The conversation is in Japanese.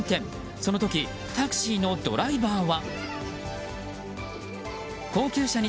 その時、タクシーのドライバーは。